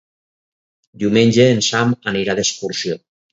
Diumenge en Sam anirà d'excursió.